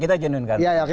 kita genuine ganteng